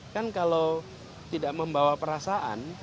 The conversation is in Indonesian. kan kalau tidak membawa perasaan